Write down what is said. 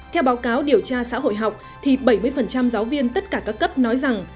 theo báo cáo điều tra xã hội học thì bảy mươi giáo viên tất cả các cấp nói rằng